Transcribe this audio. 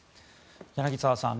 柳澤さん